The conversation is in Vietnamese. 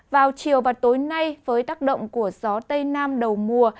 vào chiều và tối nay với tác động của gió tây nam đầu mùa